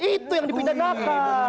itu yang dipidanakan